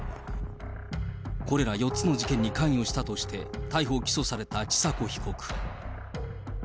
これら４つの事件に関与したとして、逮捕・起訴された千佐子被告。